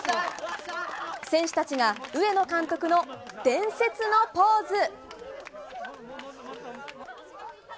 選手たちが、上野監督の伝説のポーズ。